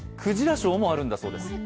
ショーもあるんだそうです。